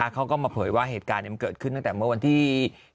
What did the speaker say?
เขาก็มาเผยว่าเหตุการณ์มันเกิดขึ้นตั้งแต่เมื่อวันที่